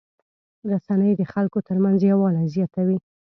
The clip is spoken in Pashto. رسنۍ د خلکو ترمنځ یووالی زیاتوي.